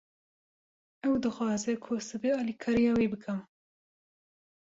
Ew dixwaze ku ez sibê alîkariya wî bikim.